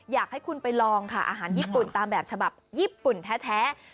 อยากให้คุณไปลองค่ะอาหารญี่ปุ่นตามแบบฉบับญี่ปุ่นแท้